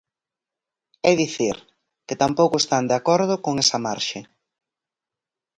É dicir, que tampouco están de acordo con esa marxe.